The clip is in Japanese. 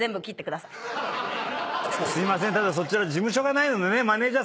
ただそちら事務所がないのでね